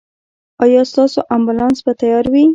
ایا ستاسو امبولانس به تیار وي؟